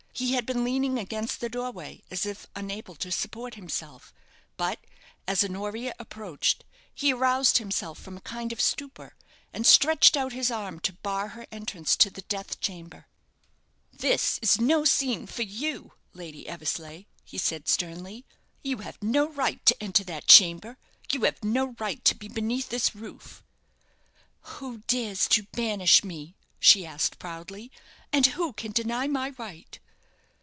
He had been leaning against the doorway, as if unable to support himself; but, as Honoria approached, he aroused himself from a kind of stupor, and stretched out his arm to bar her entrance to the death chamber. "This is no scene for you, Lady Eversleigh," he said, sternly. "You have no right to enter that chamber. You have no right to be beneath this roof." "Who dares to banish me?" she asked, proudly. "And who can deny my right?"